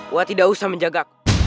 ua tidak usah menjaga